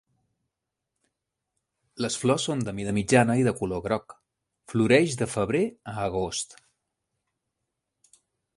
Les flors són de mida mitjana i de color groc, floreix de febrer a agost.